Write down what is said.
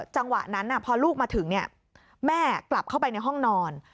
จังหวะนั้นพอลูกมาถึงแม่กลับเข้าไปในห้องนอน